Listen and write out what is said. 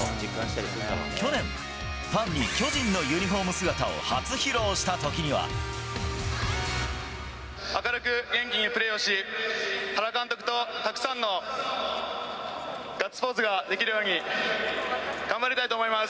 去年、ファンに巨人のユニホーム姿を初披露したときには。明るく元気にプレーをし、原監督とたくさんのガッツポーズができるように頑張りたいと思います。